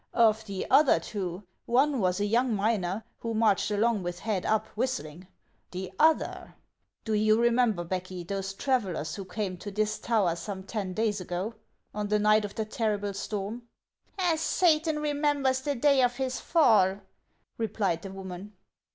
Of the other two, one was a young miner, who marched along with head up, whistling ; the other, — do you remember, Becky, those travellers who came to this tower some ten days ago, on the night of that terrible storm ?"" As Satan remembers the day of his fall," replied the woman.